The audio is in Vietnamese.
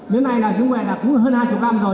nên này là chúng tôi là cũng hơn hai chục năm rồi